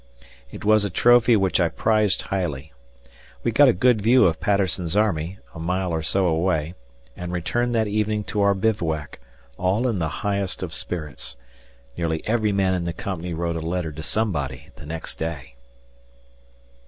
It was a trophy which I prized highly. We got a good view of Patterson's army, a mile or so away, and returned that evening to our bivouac, all in the highest of spirits. Nearly every man in the company wrote a letter to somebody the next day.